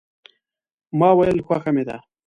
ما ویل خوښه مې ده.